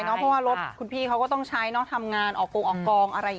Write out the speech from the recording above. เพราะว่ารถทางคุณพี่เขาก็ต้องใช้ทำงานออกกรวงออกกอง